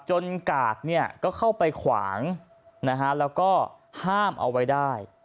กาดเนี่ยก็เข้าไปขวางนะฮะแล้วก็ห้ามเอาไว้ได้